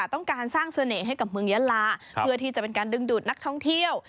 ต้องการสร้างเสน่ห์ให้กับเมืองยาลาเพื่อที่จะเป็นการดึงดูดนักท่องเที่ยว